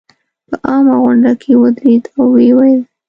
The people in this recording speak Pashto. په عامه غونډه کې ودرېد او ویې ویل.